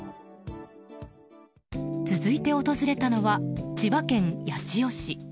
続いて訪れたのは千葉県八千代市。